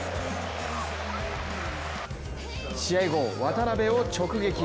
試合後、渡邊を直撃。